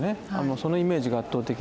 そのイメージが圧倒的に強い。